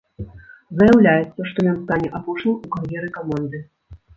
Заяўляецца, што ён стане апошнім у кар'еры каманды.